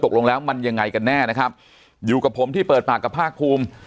ตกลงแล้วมันยังไงกันแน่นะครับอยู่กับผมที่เปิดปากกับภาคภูมิ